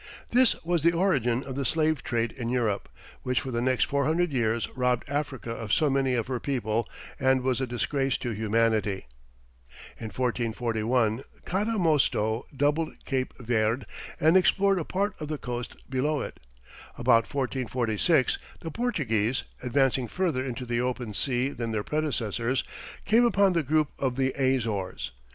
This was the origin of the slave trade in Europe, which for the next 400 years robbed Africa of so many of her people, and was a disgrace to humanity. In 1441, Cada Mosto doubled Cape Verd, and explored a part of the coast below it. About 1446, the Portuguese, advancing further into the open sea than their predecessors, came upon the group of the Azores.